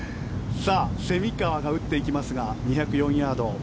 蝉川が打っていきますが２０４ヤード。